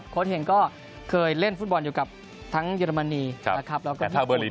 โค้ชเฮงก็เคยเล่นฟุตบอลอยู่กับทั้งเยอรมนีและแทนทาเบอร์ลิน